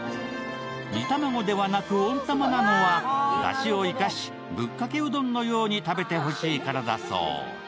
煮卵ではなく温玉なのは、だしを生かしぶっかけうどんのように食べてほしいからだそう。